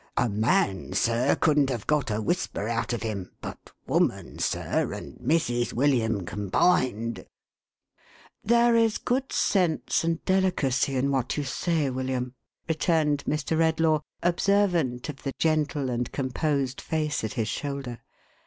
A man, sir, couldn't have got a whisper out of him; but woman, sir, and Mrs. William combined —!" "There is good sense and delicacy in what you say, William," returned Mr. Redlaw, observant of the gentle and composed face at his shoulder.